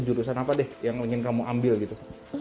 jurusan apa deh yang ingin kamu ambil gitu